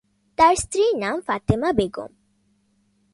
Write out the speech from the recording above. তার স্ত্রীর নাম ফাতেমা বেগম।